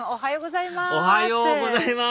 おはようございます。